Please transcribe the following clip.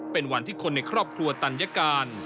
เป็นวันที่คนในครอบครัวตัญการ